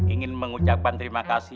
ingin mengucapkan terima kasih